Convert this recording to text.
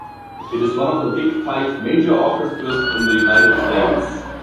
It is one of the "Big Five" major orchestras in the United States.